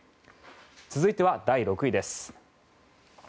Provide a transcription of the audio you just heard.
続いては第６位です。